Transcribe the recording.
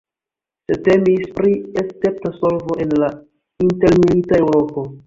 Sed temis pri escepta solvo en la intermilita Eŭropo.